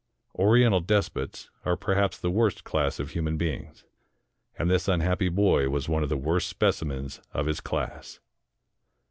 Oriental despots are perhaps the worst class of human beings ; and this unhappy boy was one of the worst specimens of his class.